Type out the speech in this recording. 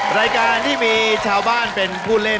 รายการที่มีชาวบ้านเป็นผู้เล่น